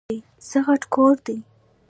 څه غټ کور دی ؟!